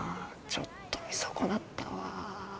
ちょっと見損なったわ